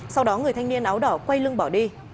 sau đó người thanh niên áo đỏ quay lưng bỏ đi